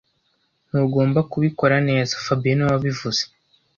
Ntugomba kubikora neza fabien niwe wabivuze